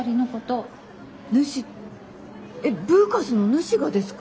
えっブーカスのヌシがですか？